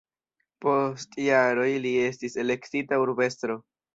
Post jaroj li estis elektita urbestro.